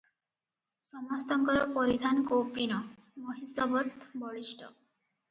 ସମସ୍ତଙ୍କର ପରିଧାନ କୌପୀନ, ମହିଷବତ୍ ବଳିଷ୍ଠ ।